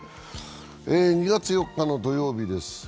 ２月４日の土曜日です。